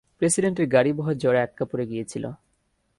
প্রেসিডেন্টের গাড়িবহর ঝড়ে আটকা পড়ে গিয়েছিল!